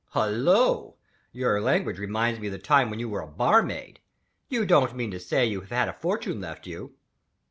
"Hullo! Your language reminds me of the time when you were a barmaid. You don't mean to say you have had a fortune left you?"